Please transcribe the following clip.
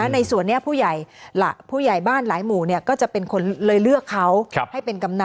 ในส่วนนี้ผู้ใหญ่บ้านหลายหมู่ก็จะเป็นคนเลยเลือกเขาให้เป็นกำนัน